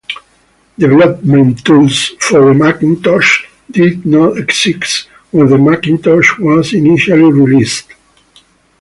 Development tools for the Macintosh did not exist when the Macintosh was initially released.